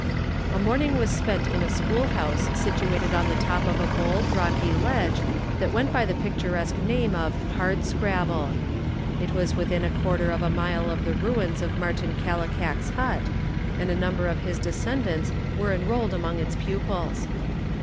A morning was spent in a schoolhouse situated on the top of a bold, rocky ledge that went by the picturesque name of Hard Scrabble. It was within a quarter of a mile of the ruins of Martin Kallikak's hut, and a num ber of his descendants were enrolled among its pupils.